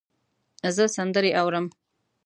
زه سندرې اورم